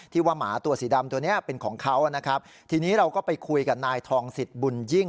ที่ว่าหมาตัวสีดำตัวนี้เป็นของเขานะครับ